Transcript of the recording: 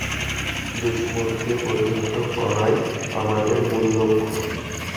দুশমনকে প্রতিহত করাই আমাদের মূল লক্ষ্য।